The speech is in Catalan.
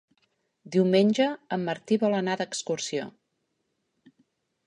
Diumenge en Martí vol anar d'excursió.